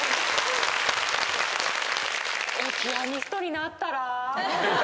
ピアニストになったら？